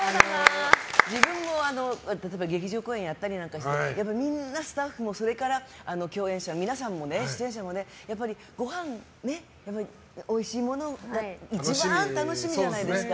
自分も例えば劇場公演をやったりしてみんなスタッフもそれから共演者皆さん出演者もごはん、おいしいものが一番楽しみじゃないですか。